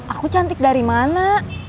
aku cantik dari mana